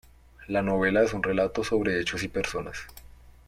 La novela es un relato sobre hechos y personas.